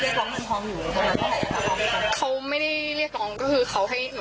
ตอนนั้นเค้าเรียกร้องเรียกร้องอยู่มากต้งไง